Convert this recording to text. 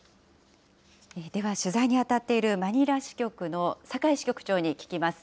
では取材に当たっているマニラ支局の酒井支局長に聞きます。